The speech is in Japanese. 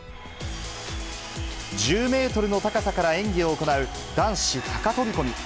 １０メートルの高さから演技を行う、男子高飛び込み。